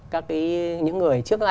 các những người trước các anh ấy